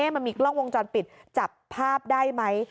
มันมีกล้องวงจรปิดจับภาพได้ไหม